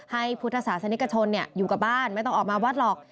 ให้พุทธศาสนิกชนอยู่กับบ้านไม่ต้องออกมาวัดหรอก